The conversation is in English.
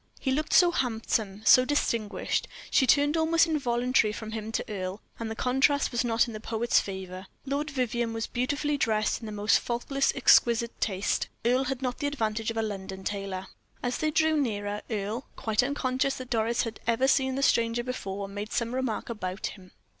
He looked so handsome, so distinguished; she turned almost involuntarily from him to Earle, and the contrast was not in the poet's favor. Lord Vivianne was beautifully dressed in the most faultless and exquisite taste. Earle had not the advantage of a London tailor. As they drew nearer, Earle, quite unconscious that Doris had ever seen the stranger before, made some remark about him.